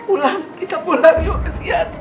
ulan kita pulang yuk kasian